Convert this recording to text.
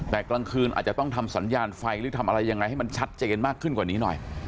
แต่กลางคืนอาจจะต้องทำสัญญาณไฟหรือทำอะไรยังไงให้มันชัดเจนมากขึ้นกว่านี้หน่อย